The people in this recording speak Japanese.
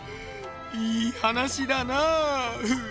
いい話だなあうぅ。